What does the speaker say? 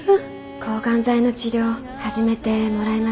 抗ガン剤の治療始めてもらえませんか？